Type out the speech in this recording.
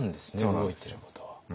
動いてることは。